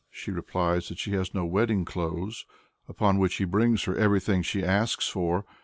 She replies that she has no wedding clothes, upon which he brings her everything she asks for.